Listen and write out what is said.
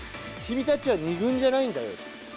君たちは２軍じゃないんだよ。